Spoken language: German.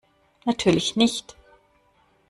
Natürlich nicht.